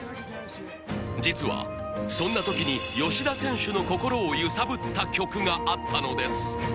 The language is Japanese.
実はそんな時に吉田選手の心を揺さぶった曲があったのです